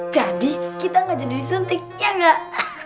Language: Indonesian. jadi kita gak jadi disuntik ya gak